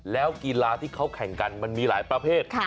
แล้วกีฬาที่เขาแข่งกันมันมีหลายประเภท